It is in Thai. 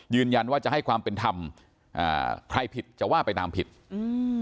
ยืนยันว่าจะให้ความเป็นธรรมอ่าใครผิดจะว่าไปตามผิดอืม